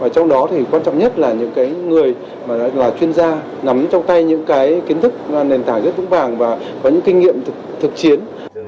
trong đó quan trọng nhất là những người chuyên gia nắm trong tay những kiến thức nền tảng rất vững vàng và có những kinh nghiệm thực chiến